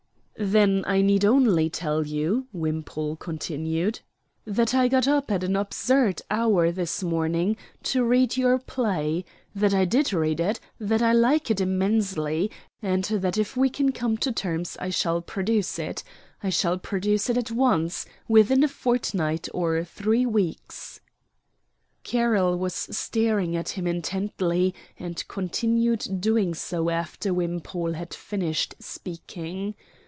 "Then I need only tell you," Wimpole continued, "that I got up at an absurd hour this morning to read your play; that I did read it; that I like it immensely and that if we can come to terms I shall produce it I shall produce it at once, within a fortnight or three weeks." Carroll was staring at him intently and continued doing so after Wimpole had finished speaking.